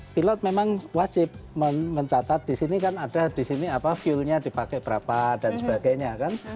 pilot memang wajib mencatat disini kan ada disini apa fuelnya dipakai berapa dan sebagainya kan